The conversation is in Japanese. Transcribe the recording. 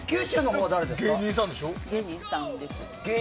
芸人さんです。